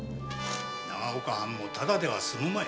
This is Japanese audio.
長岡藩もただでは済むまい。